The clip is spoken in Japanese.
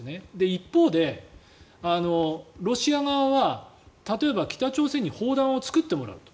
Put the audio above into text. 一方で、ロシア側は例えば北朝鮮に砲弾を作ってもらうと。